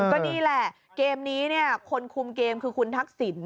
ก็นี่แหละเกมนี้คนคุมเกมคือคุณทักษิณ